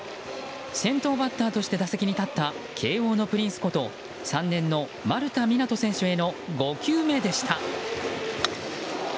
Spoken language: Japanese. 先頭バッターとして打席に立った慶應のプリンスこと３年の丸田湊斗選手への５球目でした。